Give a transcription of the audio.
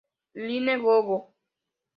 Line GoGo!